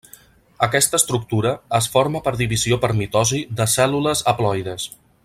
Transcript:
Aquesta estructura es forma per divisió per mitosi de cèl·lules haploides.